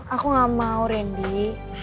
aku gak mau rendy